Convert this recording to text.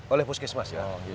oleh puskesmas ya